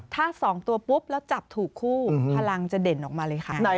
ถ้า๒ตัวปุ๊บแล้วจับถูกคู่พลังจะเด่นออกมาเลยค่ะ